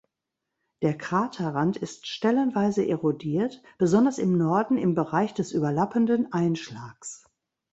Der Kraterrand ist stellenweise erodiert, besonders im Norden im Bereich des überlappenden Einschlags.